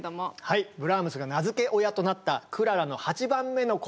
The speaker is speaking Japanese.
はいブラームスが名づけ親となったクララの８番目のこども